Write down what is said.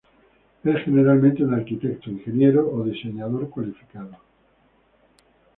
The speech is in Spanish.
Es generalmente un arquitecto, ingeniero o diseñador cualificado.